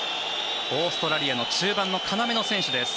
オーストラリアの中盤の要の選手です。